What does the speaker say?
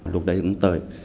lúc đấy cũng tới